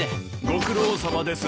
ご苦労さまです。